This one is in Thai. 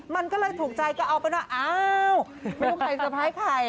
มันก็เลยถูกใจก็เอาเป็นว่าอ้าวไม่รู้ใครเตอร์ไพรส์ใคร